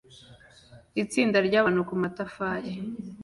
Itsinda ryabantu kumatafari